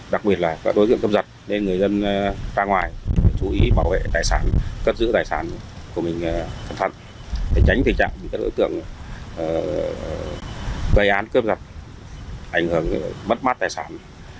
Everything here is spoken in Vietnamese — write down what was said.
đặc biệt là các đối tượng cướp giật nên người dân ra ngoài phải chú ý bảo vệ tài sản